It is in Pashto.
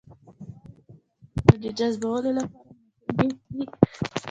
غوړې د ویټامینونو د جذبولو لپاره مهمې دي.